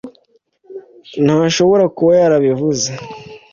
ntashobora kuba yarabivuze